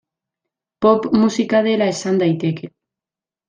Pop musika dela esan daiteke.